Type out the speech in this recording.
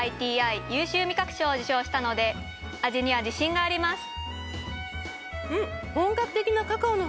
ＩＴＩ優秀味覚賞を受賞したので味には自信があります。